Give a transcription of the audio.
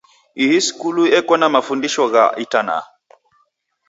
Ihii skulu eko na mafundisho gha itanaa.